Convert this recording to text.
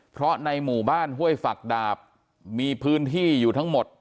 เพราะในหมู่บ้านห้วยฝักดาบมีพื้นที่อยู่ทั้งหมด